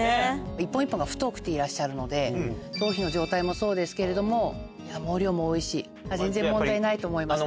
一本一本が太くていらっしゃるので頭皮の状態もそうですけれども毛量も多いし全然。